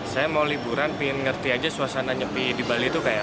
saya mau liburan pengen ngerti aja suasana nyepi di bali itu kayak